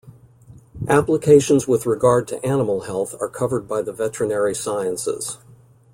Applications with regard to animal health are covered by the veterinary sciences.